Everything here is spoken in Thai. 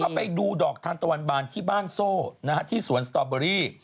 ไปดูดอกทานตะวันบานที่บ้านโซ่ที่สวนสตอเบอรี่